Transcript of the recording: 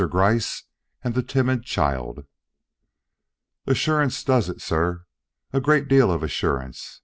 GRYCE AND THE TIMID CHILD "Assurance does it, sir a great deal of assurance.